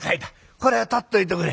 これを取っといとくれ。